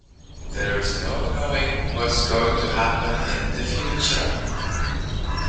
There's no knowing what's going to happen in the future.